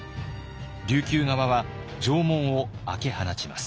琉球側は城門を開け放ちます。